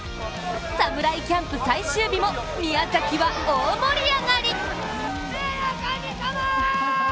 侍キャンプ最終日も宮崎は大盛り上がり。